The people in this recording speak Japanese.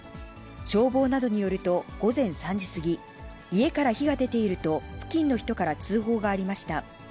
消防などによると、午前３時過ぎ、家から火が出ていると、付近の人から通報がありました。